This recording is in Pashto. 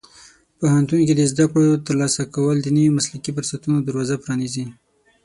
پوهنتون کې د زده کړو ترلاسه کول د نوي مسلکي فرصتونو دروازه پرانیزي.